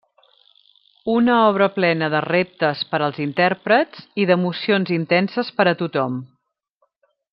Una obra plena de reptes per als intèrprets i d'emocions intenses per a tothom.